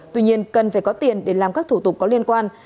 tuy nhiên cần phải có tiền để làm các thủ tục có liên quan